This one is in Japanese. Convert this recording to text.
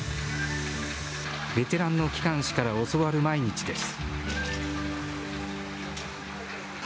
ベテランの機関士から教わる毎日です。